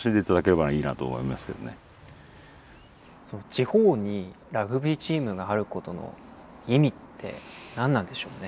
地方にラグビーチームがあることの意味って何なんでしょうね？